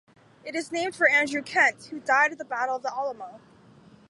It is named for Andrew Kent, who died at the Battle of the Alamo.